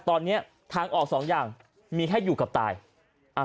ตอนเนี้ยทางออกสองอย่างมีแค่อยู่กับตายอ่า